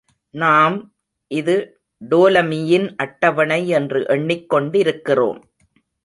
நாம் இது டோலமியின் அட்டவணை என்று எண்ணிக் கொண்டிருக்கிறோம்.